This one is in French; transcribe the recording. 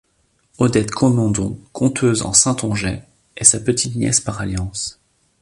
Odette Comandon, conteuse en saintongeais, est sa petite-nièce par alliance.